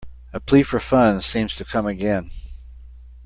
A plea for funds seems to come again.